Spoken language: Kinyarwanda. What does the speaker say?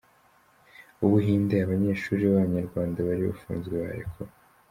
U Buhinde Abanyeshuri b’Abanyarwanda bari bafunzwe barekuwe